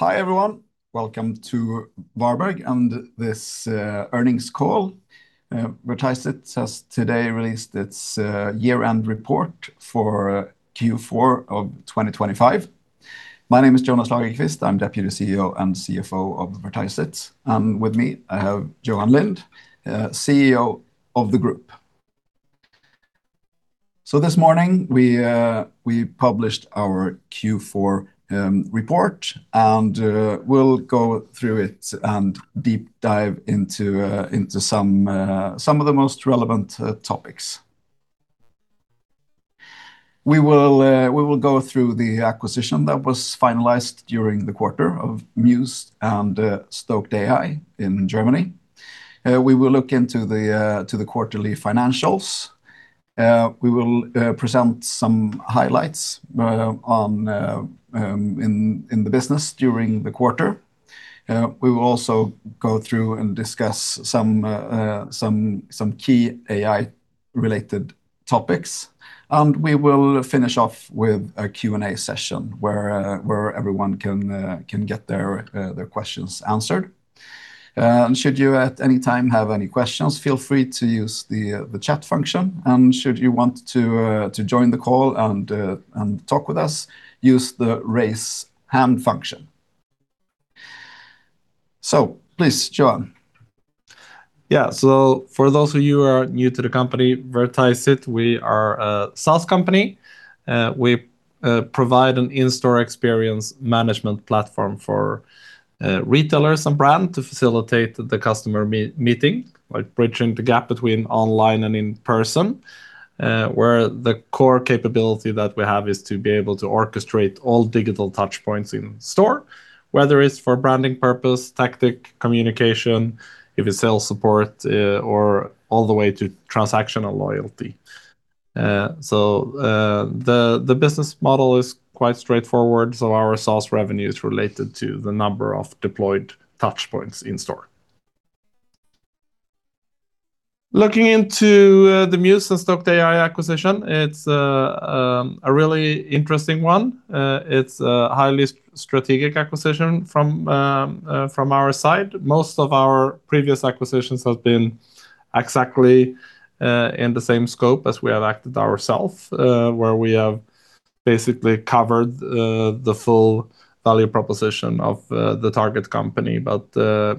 Hi, everyone. Welcome to Varberg and this earnings call. Vertiseit has today released its year-end report for Q4 of 2025. My name is Jonas Lagerqvist. I'm Deputy CEO and CFO of Vertiseit. And with me, I have Johan Lind, CEO of the group. This morning, we published our Q4 report, and we'll go through it and deep dive into some of the most relevant topics. We will go through the acquisition that was finalized during the quarter of Muse and Stoked AI in Germany. We will look into the quarterly financials. We will present some highlights in the business during the quarter. We will also go through and discuss some key AI-related topics. We will finish off with a Q&A session, where everyone can get their questions answered. Should you at any time have any questions, feel free to use the chat function, and should you want to join the call and talk with us, use the raise hand function. Please, Johan. Yeah. So for those of you who are new to the company, Vertiseit, we are a SaaS company. We provide an in-store experience management platform for retailers and brand to facilitate the customer meeting, like bridging the gap between online and in person. Where the core capability that we have is to be able to orchestrate all digital touchpoints in store, whether it's for branding purpose, tactic, communication, if it's sales support, or all the way to transactional loyalty. So the business model is quite straightforward, so our SaaS revenue is related to the number of deployed touchpoints in store. Looking into the Muse and Stoked AI acquisition, it's a really interesting one. It's a highly strategic acquisition from our side. Most of our previous acquisitions have been exactly in the same scope as we have acted ourselves, where we have basically covered the full value proposition of the target company. But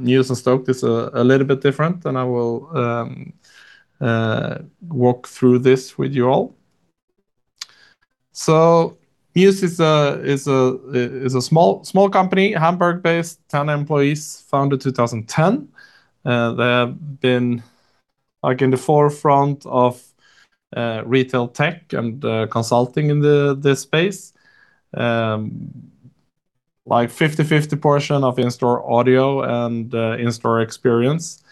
Muse and Stoked AI is a little bit different, and I will walk through this with you all. So Muse is a small company, Hamburg-based, 10 employees, founded 2010. They have been, like, in the forefront of retail tech and consulting in this space. Like 50/50 portion of in-store audio and in-store experience.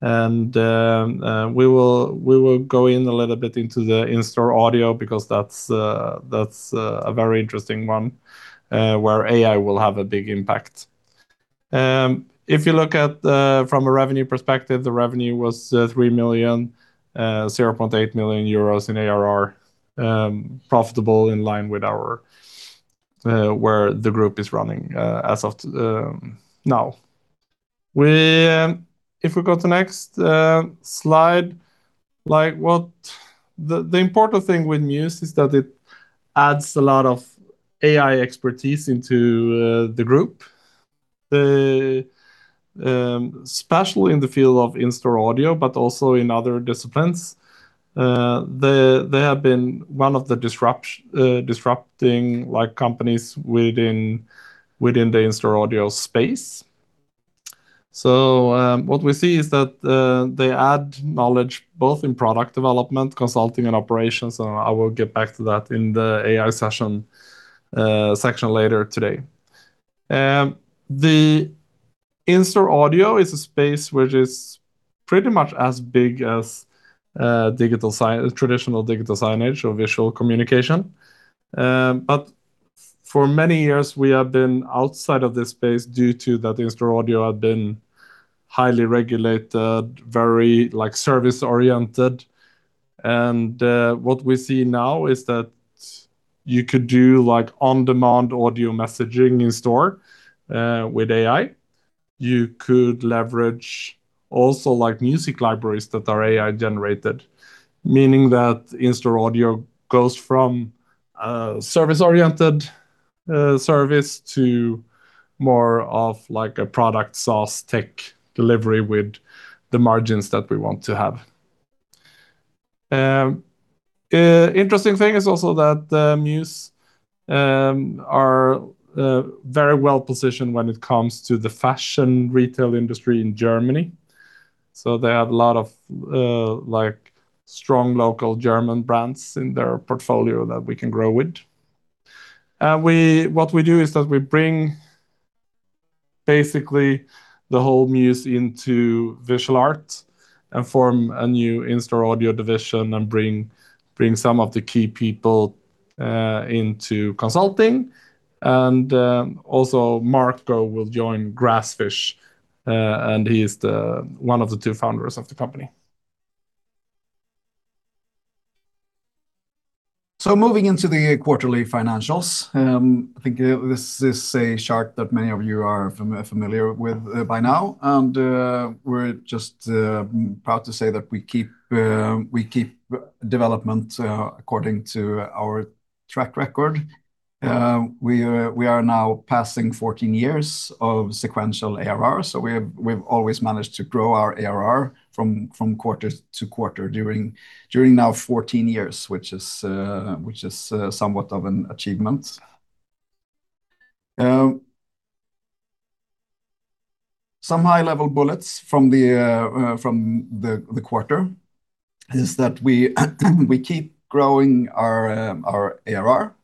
And we will go in a little bit into the in-store audio because that's a very interesting one, where AI will have a big impact. If you look at from a revenue perspective, the revenue was 3.8 million in ARR, profitable in line with our where the group is running as of now. If we go to the next slide, like, what... The important thing with Muse is that it adds a lot of AI expertise into the group, especially in the field of in-store audio, but also in other disciplines. They have been one of the disrupting companies within the in-store audio space. So, what we see is that they add knowledge both in product development, consulting, and operations, and I will get back to that in the AI session section later today. The in-store audio is a space which is pretty much as big as digital signage or visual communication. But for many years, we have been outside of this space due to that in-store audio have been highly regulated, very like service-oriented. What we see now is that you could do like on-demand audio messaging in store with AI. You could leverage also like music libraries that are AI-generated, meaning that in-store audio goes from service-oriented service to more of like a product SaaS tech delivery with the margins that we want to have. Interesting thing is also that the Muse are very well-positioned when it comes to the fashion retail industry in Germany. So they have a lot of like strong local German brands in their portfolio that we can grow with. What we do is that we bring, basically, the whole Muse into Visual Art and form a new in-store audio division and bring some of the key people into consulting. And also Marco will join Grassfish, and he's the one of the two founders of the company.... So moving into the quarterly financials, I think this is a chart that many of you are familiar with by now. We're just proud to say that we keep development according to our track record. We are now passing 14 years of sequential ARR, so we've always managed to grow our ARR from quarter to quarter during now 14 years, which is somewhat of an achievement. Some high-level bullets from the quarter is that we keep growing our ARR.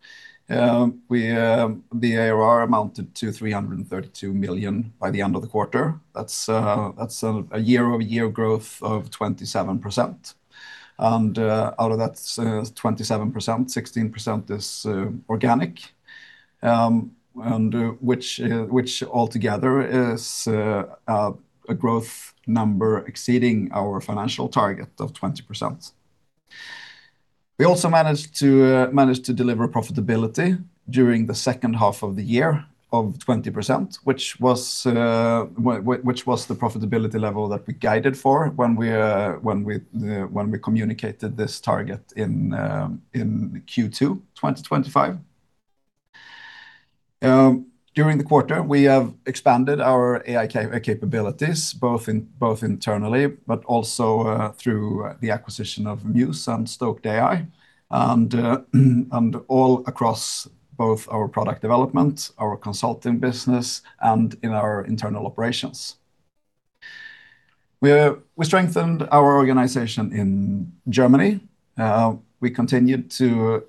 The ARR amounted to 332 million by the end of the quarter. That's a year-over-year growth of 27%. Out of that, 27%, 16% is organic, and which altogether is a growth number exceeding our financial target of 20%. We also managed to deliver profitability during the second half of the year of 20%, which was the profitability level that we guided for when we communicated this target in Q2 2025. During the quarter, we have expanded our AI capabilities, both internally, but also through the acquisition of Muse and Stoked AI, and all across both our product development, our consulting business, and in our internal operations. We strengthened our organization in Germany. We continued to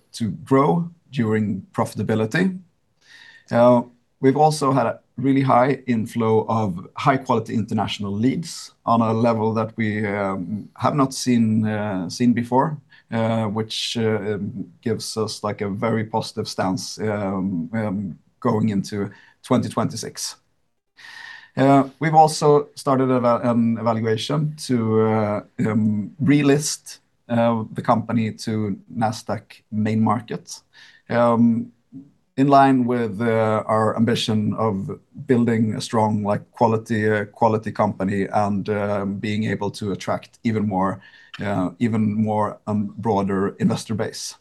grow during profitability. We've also had a really high inflow of high-quality international leads on a level that we have not seen before, which gives us, like, a very positive stance going into 2026. We've also started evaluation to relist the company to Nasdaq Main Market in line with our ambition of building a strong, like, quality company and being able to attract even more broader investor base.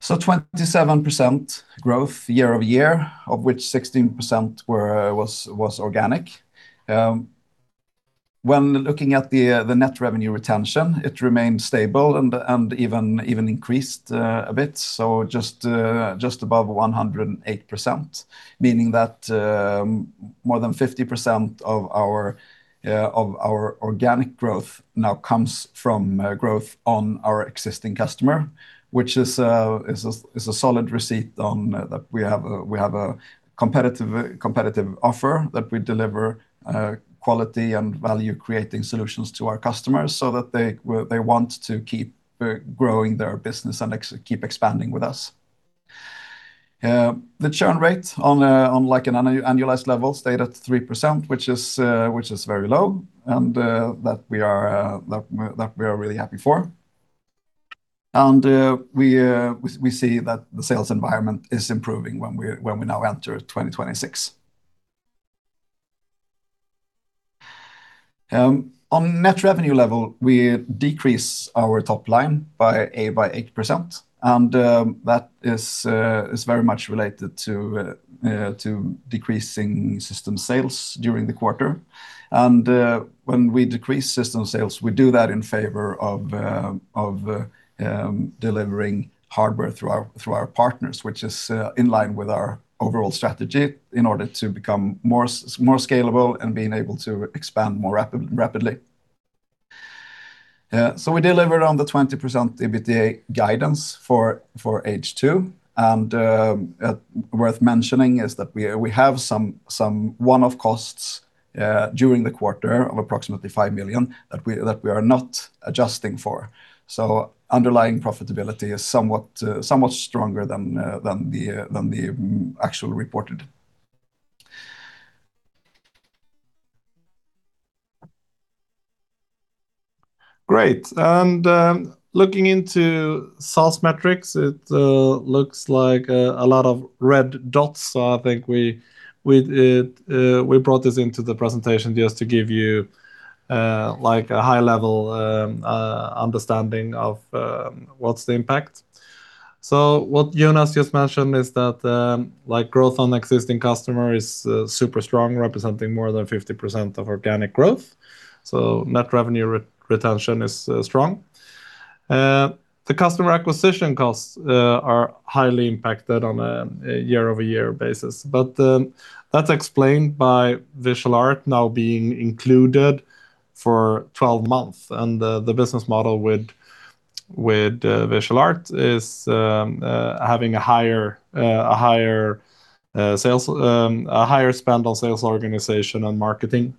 So 27% growth year-over-year, of which 16% was organic. When looking at the net revenue retention, it remained stable and even increased a bit, so just above 108%. Meaning that, more than 50% of our organic growth now comes from growth on our existing customer, which is a solid receipt on that we have a competitive offer, that we deliver quality and value-creating solutions to our customers so that they want to keep growing their business and keep expanding with us. The churn rate on, like, an annualized level, stayed at 3%, which is very low, and that we are really happy for. And we see that the sales environment is improving when we now enter 2026. On net revenue level, we decrease our top line by 8%, and that is very much related to decreasing system sales during the quarter. And when we decrease system sales, we do that in favor of delivering hardware through our partners, which is in line with our overall strategy in order to become more scalable and being able to expand more rapidly. So we delivered on the 20% EBITDA guidance for H2. And worth mentioning is that we have some one-off costs during the quarter of approximately 5 million that we are not adjusting for. So underlying profitability is somewhat stronger than the actual reported. Great, and looking into sales metrics, it looks like a lot of red dots. So I think we brought this into the presentation just to give you, like, a high-level understanding of what's the impact. So what Jonas just mentioned is that, like, growth on existing customer is super strong, representing more than 50% of organic growth, so net revenue retention is strong. The customer acquisition costs are highly impacted on a year-over-year basis. But that's explained by Visual Art now being included for 12 months, and the business model with Visual Art is having a higher spend on sales organization and marketing.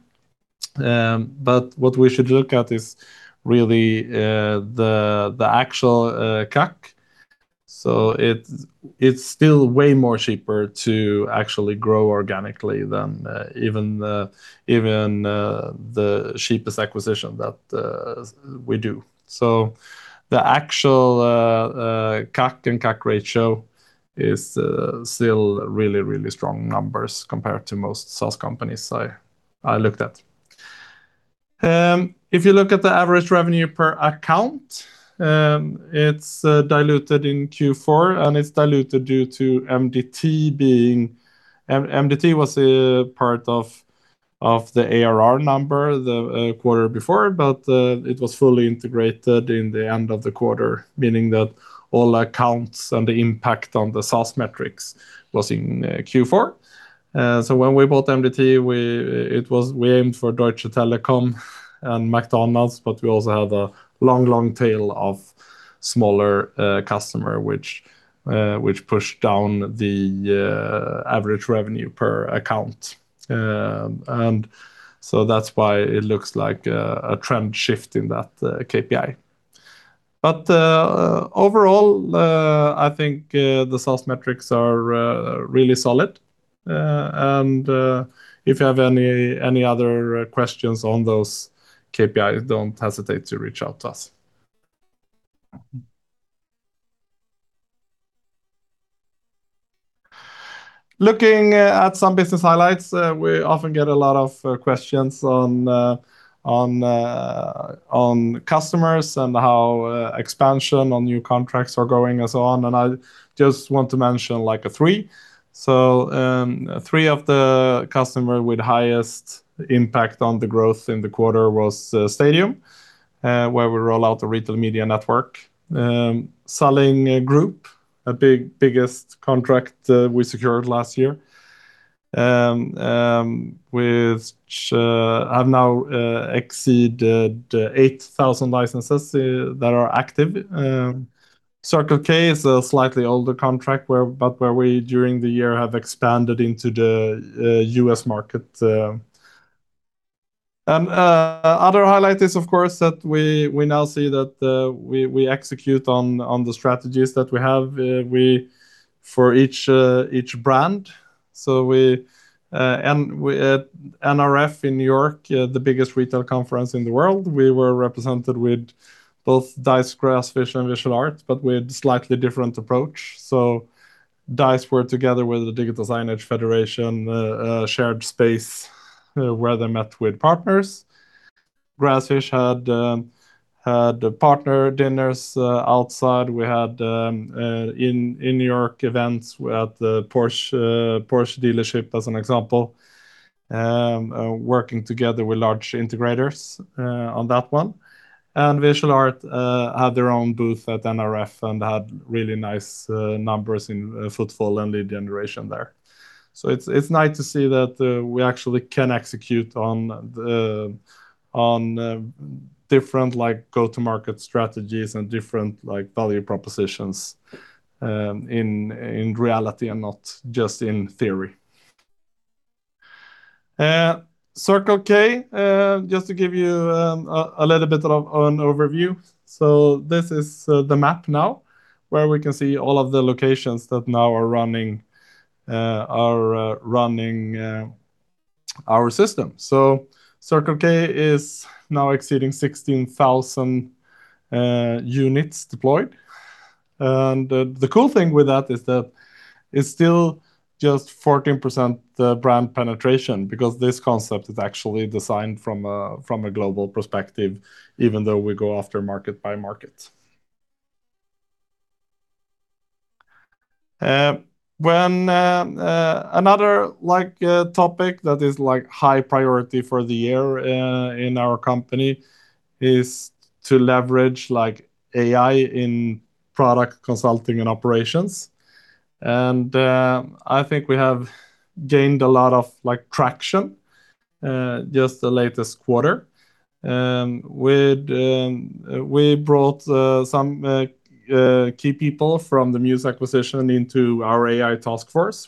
But what we should look at is really the actual CAC. So it's still way more cheaper to actually grow organically than even the cheapest acquisition that we do. So the actual CAC and CAC ratio is still really really strong numbers compared to most SaaS companies I looked at. If you look at the average revenue per account, it's diluted in Q4, and it's diluted due to MDT being MDT was a part of the ARR number the quarter before, but it was fully integrated in the end of the quarter, meaning that all accounts and the impact on the SaaS metrics was in Q4. So when we bought MDT, it was—we aimed for Deutsche Telekom and McDonald's, but we also have a long, long tail of smaller customer, which which pushed down the average revenue per account. And so that's why it looks like a trend shift in that KPI. But overall, I think the SaaS metrics are really solid. And if you have any any other questions on those KPIs, don't hesitate to reach out to us. Looking at some business highlights, we often get a lot of questions on on on customers and how expansion on new contracts are going and so on, and I just want to mention, like, a three. So, three of the customer with highest impact on the growth in the quarter was, Stadium, where we roll out the retail media network. Salling Group, the biggest contract we secured last year, which have now exceeded 8,000 licenses that are active. Circle K is a slightly older contract where we, during the year, have expanded into the U.S. market. Other highlight is, of course, that we now see that we execute on the strategies that we have for each each brand. So we and we NRF in New York, the biggest retail conference in the world, we were represented with both Dise, Grassfish and Visual Art, but with slightly different approach. So Dise were together with the Digital Signage Federation, shared space, where they met with partners. Grassfish had partner dinners outside. We had in New York events at the Porsche dealership, as an example, working together with large integrators on that one. And Visual Art had their own booth at NRF and had really nice numbers in footfall and lead generation there. So it's nice to see that we actually can execute on different like go-to-market strategies and different like value propositions in reality and not just in theory. Circle K just to give you a little bit of an overview. So this is the map now, where we can see all of the locations that now are running our system. So Circle K is now exceeding 16,000 units deployed. And the cool thing with that is that it's still just 14% the brand penetration, because this concept is actually designed from a global perspective, even though we go after market by market. Another like topic that is like high priority for the year in our company is to leverage like AI in product consulting and operations. And I think we have gained a lot of like traction just the latest quarter. With... We brought some key people from the Muse acquisition into our AI task force,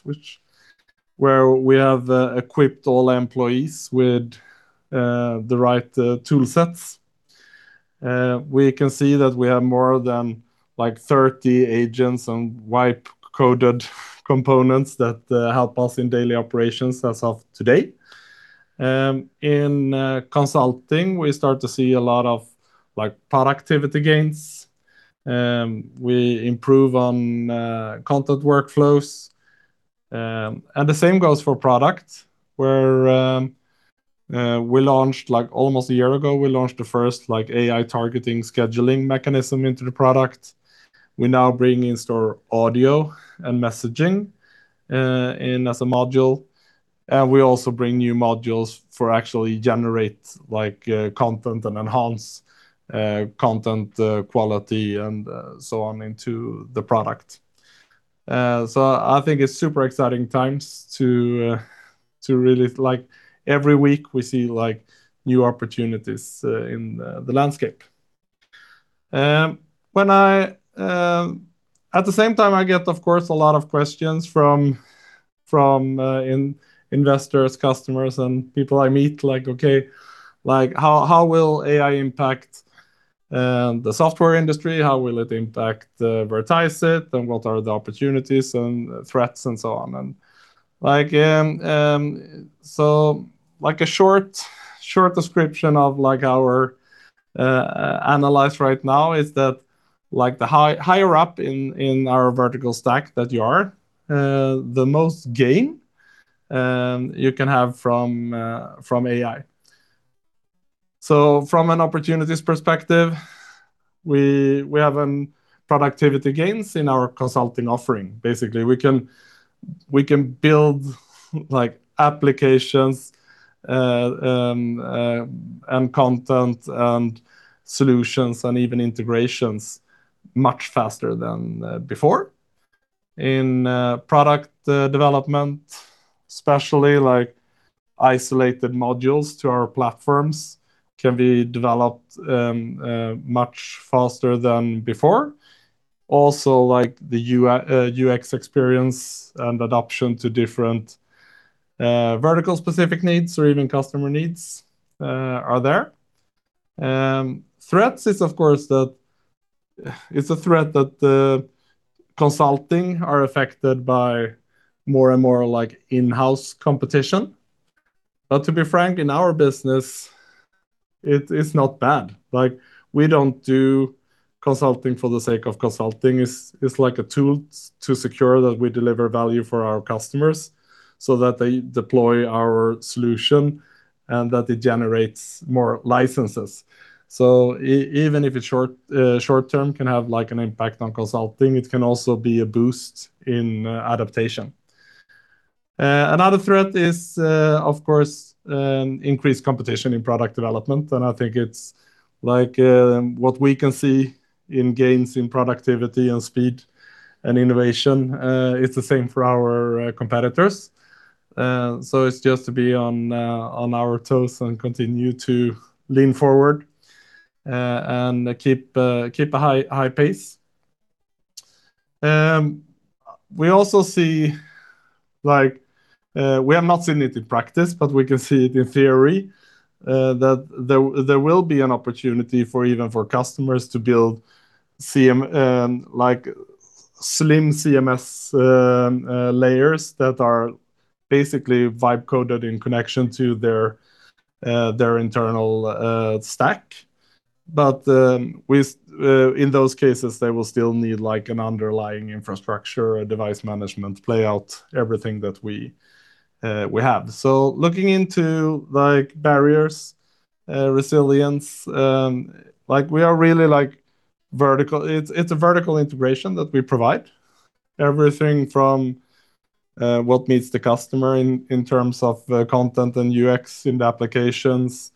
where we have equipped all employees with the right tool sets. We can see that we have more than, like, 30 agents and VIP-coded components that help us in daily operations as of today. In consulting, we start to see a lot of, like, productivity gains. We improve on content workflows. And the same goes for product, where we launched, like, almost a year ago, we launched the first, like, AI targeting scheduling mechanism into the product. We now bring in store audio and messaging in as a module, and we also bring new modules for actually generate, like, content and enhance content quality and so on, into the product. So I think it's super exciting times to really like, every week, we see, like, new opportunities in the landscape. When, at the same time, I get, of course, a lot of questions from investors, customers, and people I meet, like, okay, like, how, how will AI impact the software industry? How will it impact Vertiseit, and what are the opportunities and threats, and so on? And like, so like a short, short description of like, our analysis right now is that, like, the higher up in our vertical stack that you are, the most gain you can have from AI. So from an opportunities perspective, we, we have productivity gains in our consulting offering. Basically, we can, we can build, like, applications, and content and solutions and even integrations much faster than, before. In, product, development, especially, like, isolated modules to our platforms can be developed, much faster than before. Also, like the UI, UX experience and adoption to different, vertical specific needs or even customer needs, are there. Threats is, of course, that it's a threat that the consulting are affected by more and more, like, in-house competition. But to be frank, in our business, it, it's not bad. Like, we don't do consulting for the sake of consulting. It's, it's like a tool to secure that we deliver value for our customers so that they deploy our solution and that it generates more licenses. Even if it's short term, it can have, like, an impact on consulting. It can also be a boost in adaptation. Another threat is, of course, increased competition in product development, and I think it's like what we can see in gains in productivity and speed and innovation. It's the same for our competitors. So it's just to be on our toes and continue to lean forward and keep a high pace. We also see, like, we have not seen it in practice, but we can see it in theory, that there will be an opportunity for even customers to build, like, slim CMS layers that are basically AI coded in connection to their internal stack. But, with in those cases, they will still need, like, an underlying infrastructure, a device management playout, everything that we, we have. So looking into, like, barriers, resilience, like, we are really, like, vertical. It's, it's a vertical integration that we provide. Everything from, what meets the customer in, in terms of, content and UX in the applications,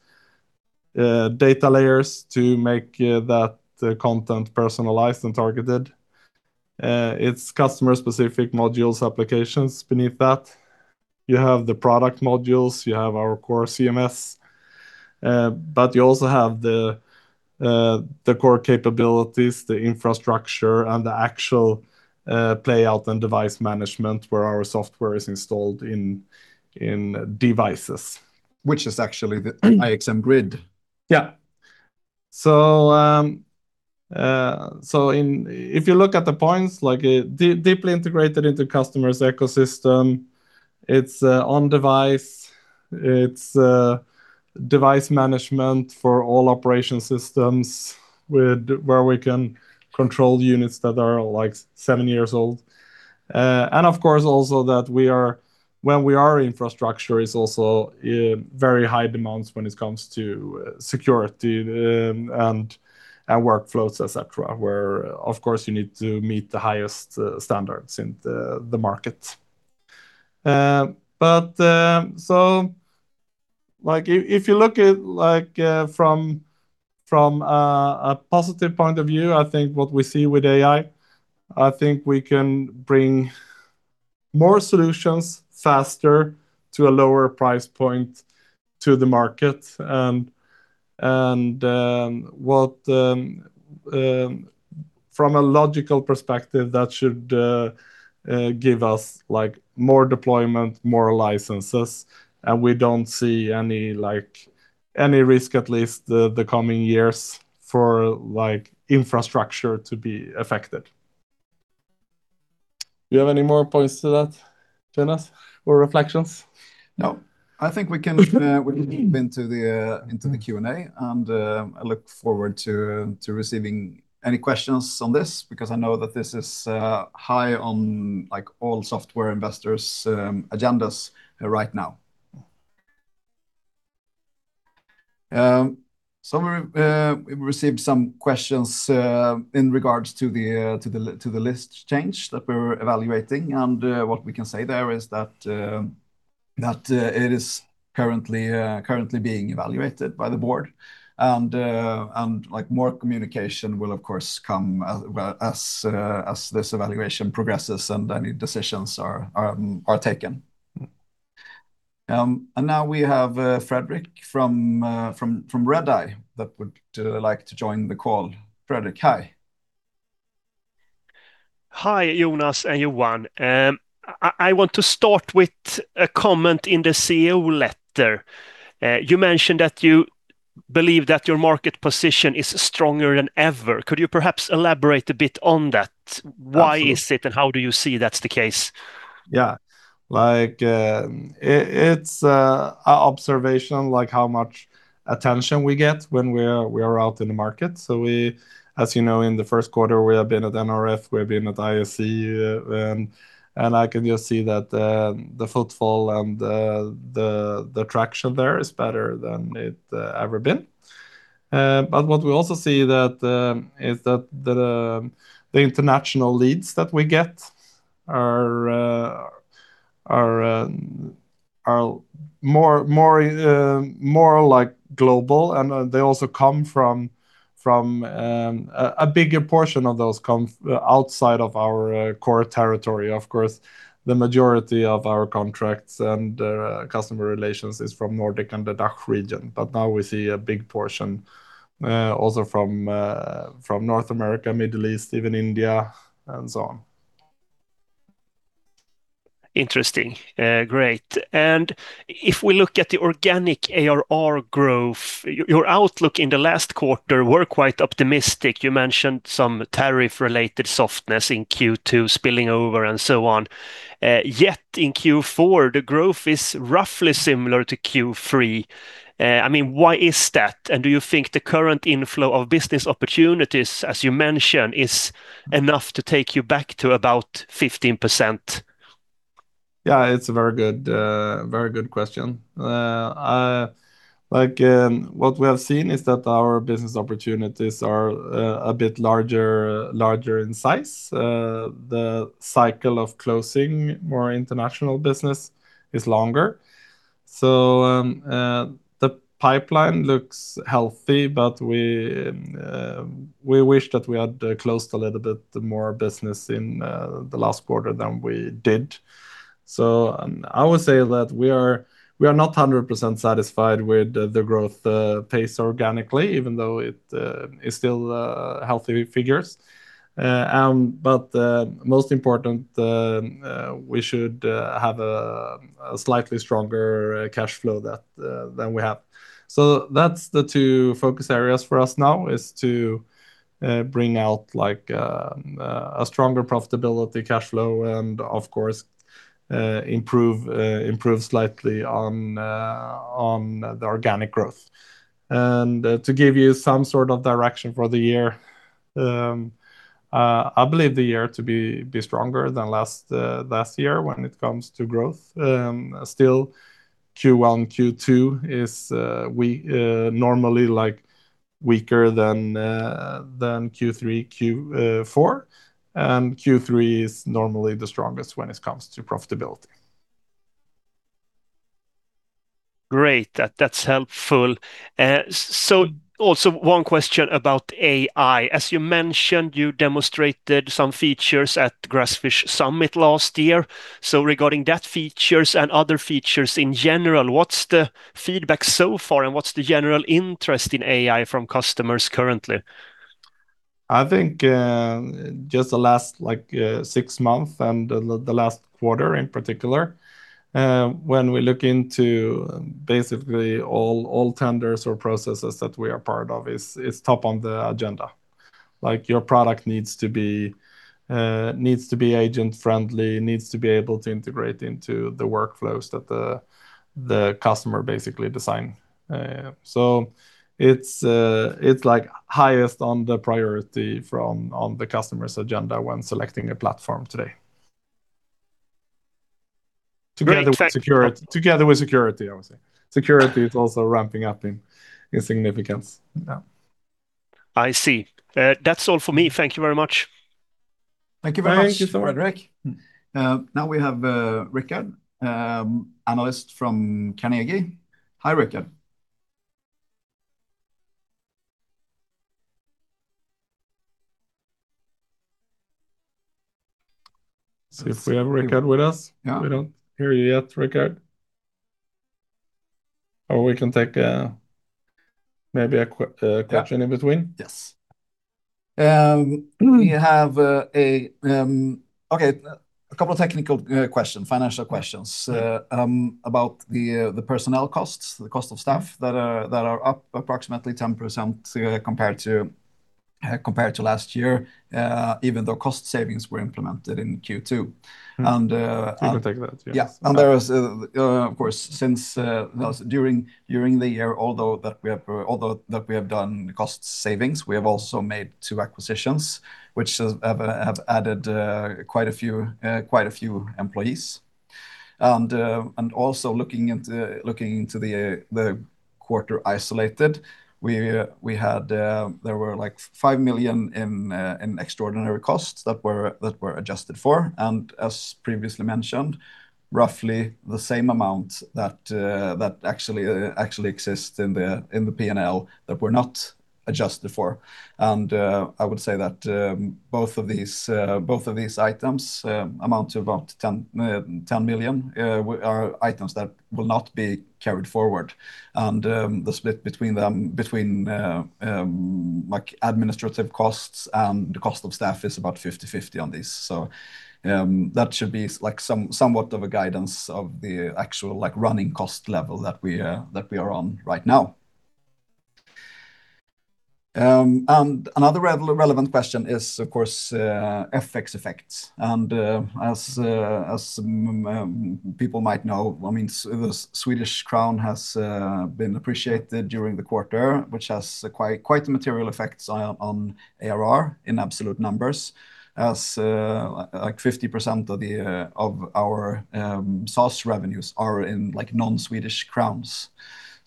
data layers to make, that content personalized and targeted. It's customer-specific modules, applications beneath that. You have the product modules, you have our core CMS, but you also have the, the core capabilities, the infrastructure, and the actual, playout and device management, where our software is installed in, in devices. Which is actually the IXM Grid. Yeah. So, if you look at the points, like, deeply integrated into customers' ecosystem, it's, on device, it's, device management for all operation systems, where we can control units that are, like, seven years old. And of course, also that when we are infrastructure, it's also, very high demands when it comes to security, and workflows, et cetera, where, of course, you need to meet the highest, standards in the, the market. But, like, if you look at, from a positive point of view, I think what we see with AI, I think we can bring more solutions faster to a lower price point to the market. From a logical perspective, that should give us, like, more deployment, more licenses, and we don't see any, like, any risk, at least the coming years, for, like, infrastructure to be affected. Do you have any more points to that, Jonas, or reflections? No. I think we can move into the Q&A, and I look forward to receiving any questions on this because I know that this is high on, like, all software investors' agendas right now. So we received some questions in regards to the list change that we're evaluating, and what we can say there is that it is currently being evaluated by the board. And, like, more communication will, of course, come as well as this evaluation progresses and any decisions are taken. And now we have Fredrik from Redeye that would like to join the call. Fredrik, hi. Hi, Jonas and Johan. I want to start with a comment in the CEO letter. You mentioned that you believe that your market position is stronger than ever. Could you perhaps elaborate a bit on that? Absolutely. Why is it, and how do you see that's the case? Yeah. Like, it's a observation, like, how much attention we get when we are out in the market. So we, as you know, in the first quarter, we have been at NRF, we've been at ISE, and I can just see that the footfall and the traction there is better than it ever been. But what we also see is that the international leads that we get are more like global, and they also come from a bigger portion of those come outside of our core territory. Of course, the majority of our contracts and customer relations is from Nordic and the DACH region. But now we see a big portion, also from North America, Middle East, even India, and so on. Interesting. Great. And if we look at the organic ARR growth, your, your outlook in the last quarter were quite optimistic. You mentioned some tariff-related softness in Q2 spilling over, and so on. I mean, why is that? And do you think the current inflow of business opportunities, as you mentioned, is enough to take you back to about 15%? Yeah, it's a very good, very good question. Like, what we have seen is that our business opportunities are a bit larger, larger in size. The cycle of closing more international business is longer. So, the pipeline looks healthy, but we, we wish that we had closed a little bit more business in the last quarter than we did. So I would say that we are, we are not hundred percent satisfied with the, the growth pace organically, even though it is still healthy figures. But, most important, we should have a, a slightly stronger cash flow that than we have. So that's the two focus areas for us now, is to bring out, like, a stronger profitability cash flow and, of course, improve slightly on the organic growth. And to give you some sort of direction for the year, I believe the year to be stronger than last year when it comes to growth. Still, Q1, Q2 is we normally, like, weaker than Q3, Q4, and Q3 is normally the strongest when it comes to profitability. Great. That, that's helpful. So also one question about AI. As you mentioned, you demonstrated some features at Grassfish Summit last year. So regarding that features and other features in general, what's the feedback so far, and what's the general interest in AI from customers currently? I think, just the last, like, six months and the last quarter in particular, when we look into basically all tenders or processes that we are part of, is top on the agenda. Like, your product needs to be agent-friendly, needs to be able to integrate into the workflows that the customer basically design. So it's like highest on the priority from, on the customer's agenda when selecting a platform today. Great, thank. Together with security, together with security, I would say. Security is also ramping up in significance now. I see. That's all for me. Thank you very much. Thank you very much, Fredrik. Thank you so much. Now we have Rikard, analyst from Carnegie. Hi, Rikard. See if we have Rikard with us. Yeah. We don't hear you yet, Rikard. Or we can take a, maybe. Yeah. A question in between. Yes. Okay, a couple of technical and financial questions. Yeah About the personnel costs, the cost of staff, that are up approximately 10%, compared to last year, even though cost savings were implemented in Q2. Mm-hmm. And, uh. We can take that, yes. Yeah. And there is, of course, since those during the year, although we have done cost savings, we have also made two acquisitions, which have added quite a few employees. And also looking into the quarter isolated, we had, like, 5 million in extraordinary costs that were adjusted for. And as previously mentioned, roughly the same amount that actually exist in the P&L that were not adjusted for. And I would say that both of these items amount to about 10 million are items that will not be carried forward. And the split between them. Like, administrative costs and the cost of staff is about 50/50 on this. So, that should be, like, somewhat of a guidance of the actual, like, running cost level that we, that we are on right now. And another relevant question is, of course, FX effects, and, as, people might know, I mean, the Swedish krona has been appreciated during the quarter, which has quite, quite a material effect on, on ARR in absolute numbers, as, like 50% of the, of our, SaaS revenues are in, like, non-Swedish krona.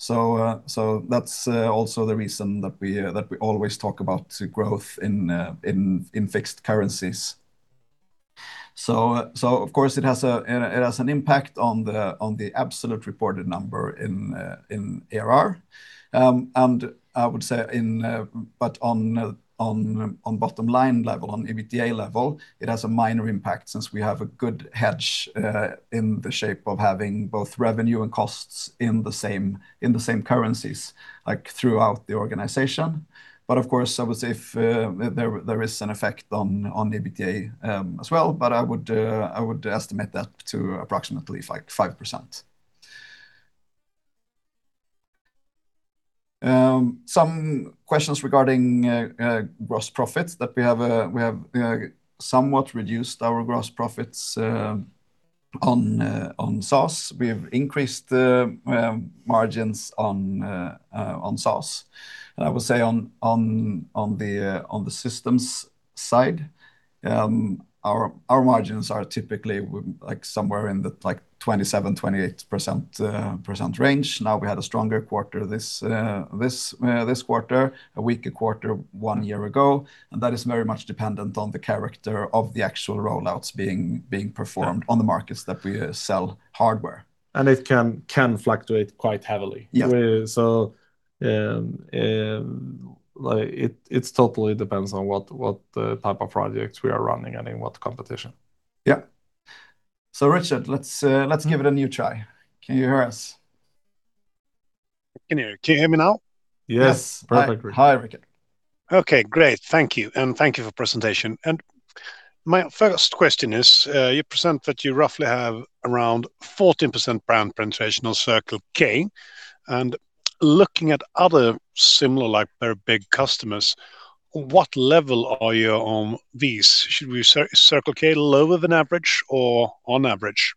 So, so that's also the reason that we, that we always talk about growth in, in, in fixed currencies. So, of course, it has an impact on the absolute reported number in ARR. And I would say, but on bottom line level, on EBITDA level, it has a minor impact since we have a good hedge in the shape of having both revenue and costs in the same currencies, like, throughout the organization. But of course, I would say there is an effect on EBITDA as well, but I would estimate that to approximately, like, 5%. Some questions regarding gross profits that we have somewhat reduced our gross profits on SaaS. We have increased the margins on SaaS. I would say on the systems side, our margins are typically like somewhere in the 27%-28% range. Now, we had a stronger quarter this quarter, a weaker quarter one year ago, and that is very much dependent on the character of the actual rollouts being performed on the markets that we sell hardware. It can fluctuate quite heavily. Yeah. So, like, it totally depends on what type of projects we are running and in what competition. Yeah. So, Rikard, let's, let's give it a new try. Can you hear us? Can you, can you hear me now? Yes. Yes. Perfectly. Hi, Rikard. Okay, great. Thank you and thank you for presentation. My first question is, you present that you roughly have around 14% brand penetration on Circle K, and looking at other similar, like, very big customers, what level are you on these? Should Circle K be lower than average or on average?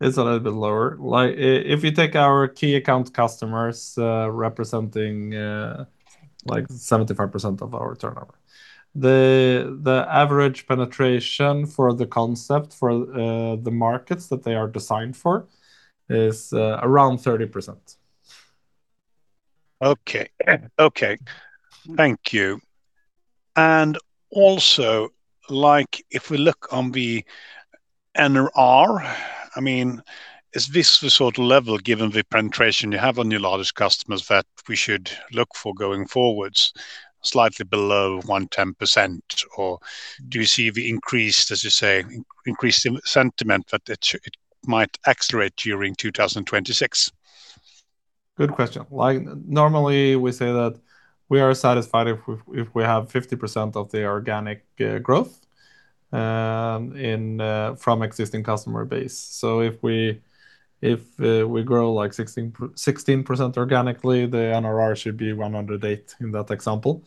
It's a little bit lower. Like, if you take our key account customers, representing, like 75% of our turnover, the average penetration for the concept for the markets that they are designed for is around 30%. Okay. Okay, thank you. And also, like, if we look on the NRR, I mean, is this the sort of level, given the penetration you have on your largest customers, that we should look for going forwards, slightly below 110%? Or do you see the increased, as you say, increased sentiment that it might accelerate during 2026? Good question. Well, normally, we say that we are satisfied if we have 50% of the organic growth from existing customer base. So if we grow, like 16, 16% organically, the NRR should be 108 in that example.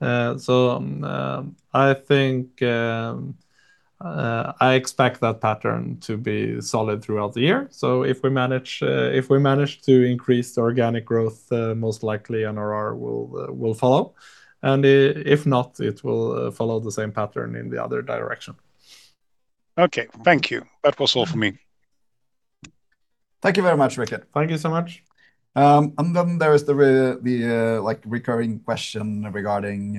So, I think, I expect that pattern to be solid throughout the year. So if we manage to increase the organic growth, most likely NRR will follow, and if not, it will follow the same pattern in the other direction. Okay, thank you. That was all for me. Thank you very much, Rikard. Thank you so much. And then there is the recurring question regarding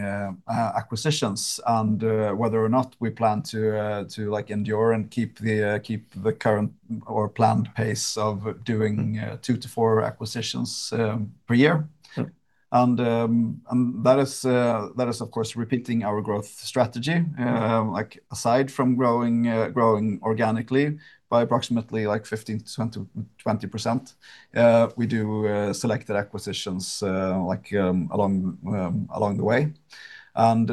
acquisitions and whether or not we plan to, like, continue to keep the current or planned pace of doing 2-4 acquisitions per year. Sure. And that is, of course, repeating our growth strategy. Like, aside from growing organically by approximately, like, 15%-20%, we do selected acquisitions, like, along the way. And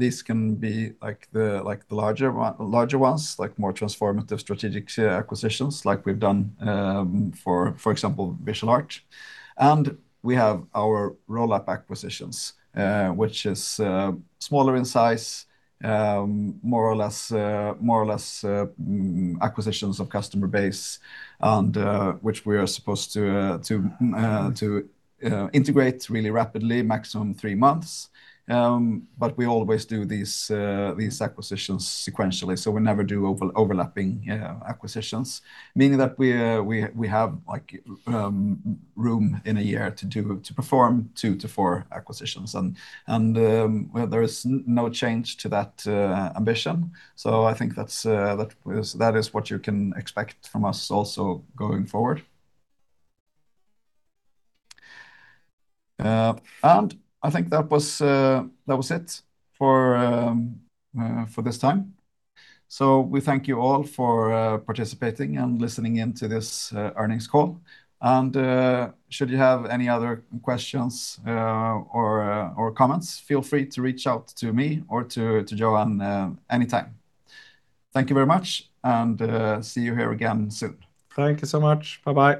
these can be, like, the larger ones, like more transformative strategic acquisitions, like we've done, for example, Visual Art. And we have our roll-up acquisitions, which is smaller in size, more or less, more or less acquisitions of customer base and which we are supposed to integrate really rapidly, maximum three months. But we always do these acquisitions sequentially, so we never do overlapping acquisitions, meaning that we have, like, room in a year to do two to four acquisitions. And there is no change to that ambition. So I think that's what you can expect from us also going forward. And I think that was it for this time. So we thank you all for participating and listening in to this earnings call. And should you have any other questions or comments, feel free to reach out to me or to Johan anytime. Thank you very much, and see you here again soon. Thank you so much. Bye-bye.